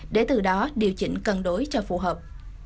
để từ đó điều chỉnh cân đối cho phù hợp